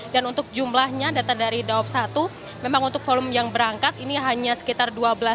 dan untuk jumlahnya data dari daob satu memang untuk volume yang berangkat ini hanya sekitar